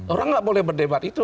orang nggak boleh berdebat itu